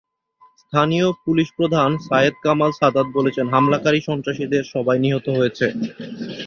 স্থানীয় পুলিশপ্রধান সায়েদ কামাল সাদাত বলেছেন, হামলাকারী সন্ত্রাসীদের সবাই নিহত হয়েছে।